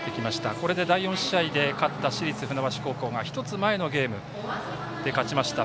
これで第４試合で勝った市立船橋高校が１つ前のゲームで勝ちました